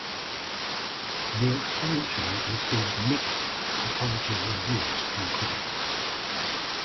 The expansion received mixed to positive reviews from critics.